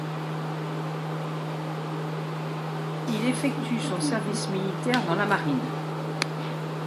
Il effectue son service militaire dans la marine.